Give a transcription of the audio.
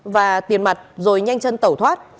và tiền mặt rồi nhanh chân tẩu thoát